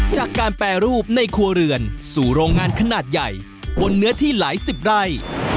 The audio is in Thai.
จากการแปรรูปในครัวเรือนสู่โรงงานขนาดใหญ่บนเนื้อที่หลายสิบไร่